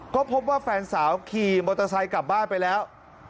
ก็พบว่าแฟนสาวขี่มอเตอร์ไซค์กลับบ้านไปแล้ว